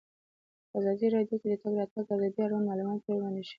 په ازادي راډیو کې د د تګ راتګ ازادي اړوند معلومات ډېر وړاندې شوي.